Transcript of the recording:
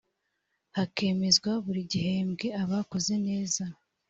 hakemezwa buri gihembwe abakoze neza